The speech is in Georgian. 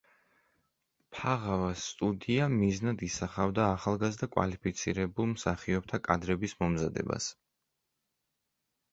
ფაღავას სტუდია მიზნად ისახავდა ახალგაზრდა კვალიფიცირებულ მსახიობთა კადრების მომზადებას.